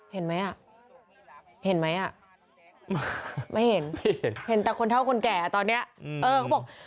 เห็นไหมอ่ะเห็นไหมอ่ะไม่เห็นเห็นแต่คนเท่าคนแก่ตอนนี้เออเขาบอก